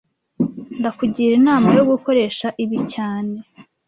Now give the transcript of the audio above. Ndakugira inama yo gukoresha ibi cyane